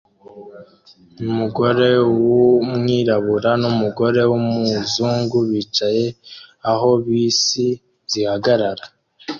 Umugore wumwirabura numugore wumuzungu bicaye aho bisi zihagarara